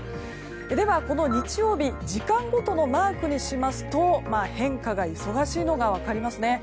では、この日曜日時間ごとのマークにしますと変化が忙しいのが分かりますね。